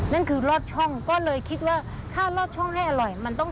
นั่นคือรอดช่องก็เลยคิดว่าถ้าลอดช่องให้อร่อยมันต้อง